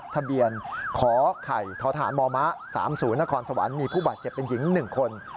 ทะเบียนขไข่ทฐมม๓๐นสมีผู้บาดเจ็บเป็นหญิง๑คน